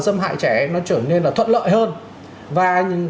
xâm hại trẻ nó trở nên là thuận lợi hơn